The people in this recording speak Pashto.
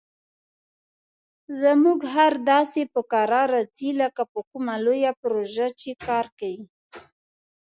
زموږ خر داسې په کراره ځي لکه په کومه لویه پروژه چې کار کوي.